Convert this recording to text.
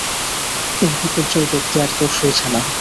ওর বিপর্যয় দেখতে আর তর সইছে না।